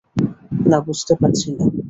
না, বুঝতে পারছি না।